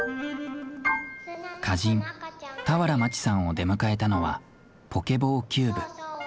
歌人俵万智さんを出迎えたのは「ポケボー・キューブ」。